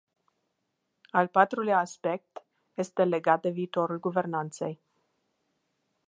Al patrulea aspect este legat de viitorul guvernanței.